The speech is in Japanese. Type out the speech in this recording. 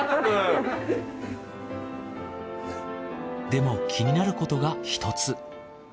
でも気になることが１つ。